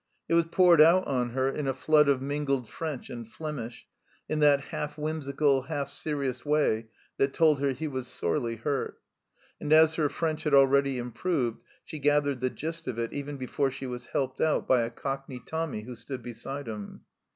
It was poured out on her in a flood of mingled French and Flemish, in that half whimsical, half serious way that told her he was sorely hurt ; and as her French had already improved, she gathered the gist of it even before she was helped out by a Cockney Tommy who stood beside him.